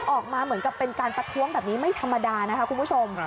ออกมาเหมือนกับเป็นการประท้วงแบบนี้ไม่ธรรมดานะคะคุณผู้ชม